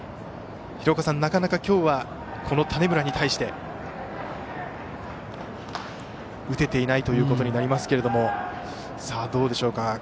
廣岡さん、なかなか今日はこの種村に対して打てていないということになりますけどもどうでしょうか。